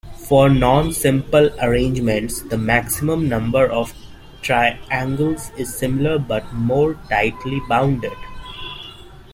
For non-simple arrangements the maximum number of triangles is similar but more tightly bounded.